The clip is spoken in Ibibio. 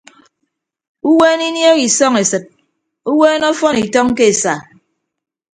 Uweene iniehe isọñ esịt uweene ọfọn itọñ ke esa.